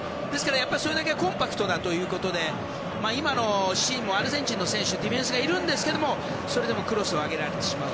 それだけコンパクトだということで今のシーンも、アルゼンチンのディフェンスがいるんですけどそれでもクロスを上げられてしまう。